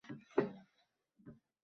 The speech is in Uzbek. Mamnun ketdilar.